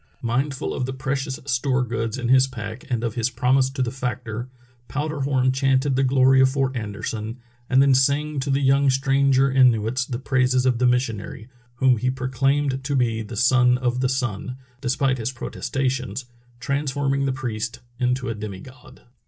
Mindful of the precious store goods in his pack and of his promise to the factor. Powder Horn chanted the glory of Fort Anderson, and then sang to the young stranger Inuits the praises of the missionary, whom he proclaimed to be the Son of the Sun; despite his protestations, transforming the priest into a demi god.